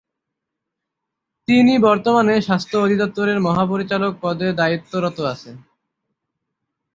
তিনি বর্তমানে স্বাস্থ্য অধিদপ্তরের মহাপরিচালক পদে দায়িত্বরত আছেন।